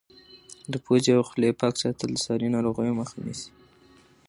د پوزې او خولې پاک ساتل د ساري ناروغیو مخه نیسي.